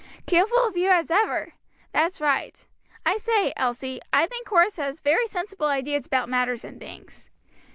"Careful of you as ever! that's right. I say, Elsie, I think Horace has very sensible ideas about matters and things."